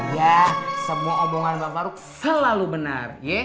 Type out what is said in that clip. ya semua omongan pak faruk selalu benar